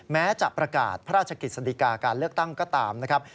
แม้จะประกาศพระราชกิจสดีกาการเลือกตั้งก็ตามนะครับ